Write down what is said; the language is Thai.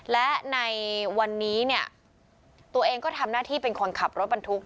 และในวันนี้เนี่ยตัวเองก็ทำหน้าที่เป็นคนขับรถบรรทุก